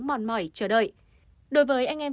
mòn mỏi chờ đợi đối với anh em